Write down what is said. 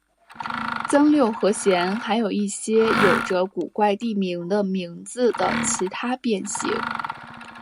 增六和弦还有一些有着古怪地名的名字的其他变形。